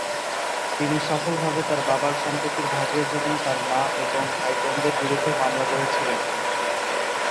তিনি সফলভাবে তার বাবার সম্পত্তির ভাগের জন্য তার মা এবং ভাইবোনদের বিরুদ্ধে মামলা করেছিলেন।